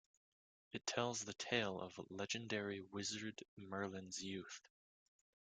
It tells the tale of the legendary wizard Merlin's youth.